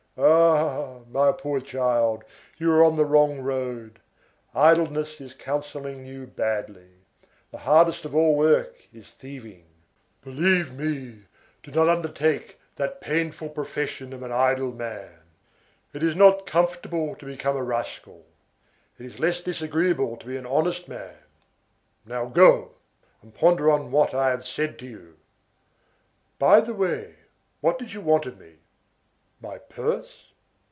Ah! my poor child, you are on the wrong road; idleness is counselling you badly; the hardest of all work is thieving. Believe me, do not undertake that painful profession of an idle man. It is not comfortable to become a rascal. It is less disagreeable to be an honest man. Now go, and ponder on what I have said to you. By the way, what did you want of me? My purse?